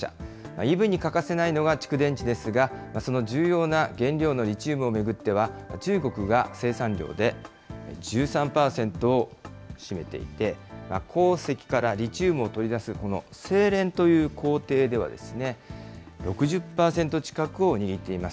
ＥＶに欠かせないのが蓄電池ですが、その重要な原料のリチウムを巡っては、中国が生産量で１３％を占めていて、鉱石からリチウムを取り出す精錬という工程では、６０％近くを握っています。